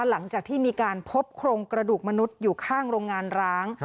หลังจากที่มีการพบโครงกระดูกมนุษย์อยู่ข้างโรงงานร้าง